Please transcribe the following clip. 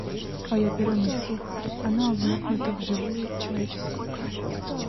Твое перо не сухо — оно обмокнуто в живую человеческую кровь.